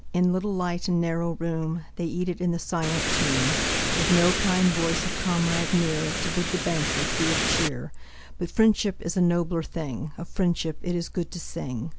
In little light and narrow room, They eat it in the silent tomb, With no kind voice of comrade near To bid the banquet be of cheer. But Friendship is a nobler thing, Of Friendship it is good to sing.